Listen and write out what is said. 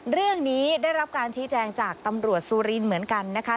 เรื่องนี้ได้รับการชี้แจงจากตำรวจสุรินทร์เหมือนกันนะคะ